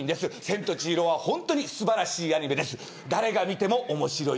千と千尋は本当に素晴らしいアニメです。